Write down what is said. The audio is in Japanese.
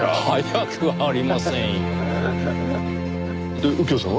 で右京さんは？